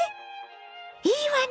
いいわね